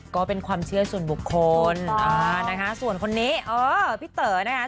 ก็เป็นความเชื่อส่วนบุคคลนะคะส่วนคนนี้เออพี่เต๋อนะคะ